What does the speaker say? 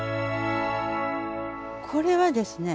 これはですね